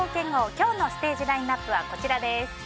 今日のステージラインアップはこちらです。